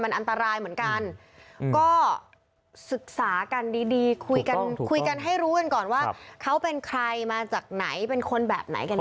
อันตรายเหมือนกันก็ศึกษากันดีดีคุยกันคุยกันให้รู้กันก่อนว่าเขาเป็นใครมาจากไหนเป็นคนแบบไหนกันแน